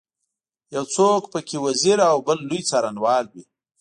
یو څوک په کې وزیر او بل لوی څارنوال وي.